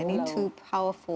ini dua perempuan yang kuat